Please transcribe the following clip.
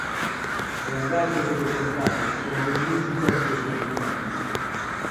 E agáchase de contado, coma un músico ante o clavicordio.